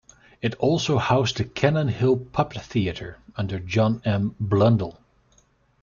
It also housed the Cannon Hill Puppet Theatre under John M. Blundall.